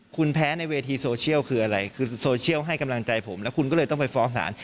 คุณแพ้ในเวทีโซเชียลคืออะไรคือโซเชียลให้กำลังใจผมแล้วคุณก็เลยต้องไปฟ้องศาล